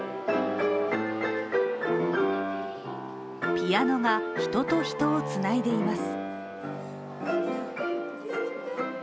ピアノが人と人をつないでいます。